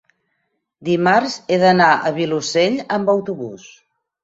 dimarts he d'anar al Vilosell amb autobús.